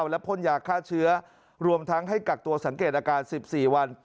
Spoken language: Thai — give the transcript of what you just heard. และพ่นยาฆ่าเชื้อรวมทั้งให้กักตัวสังเกตอาการ๑๔วัน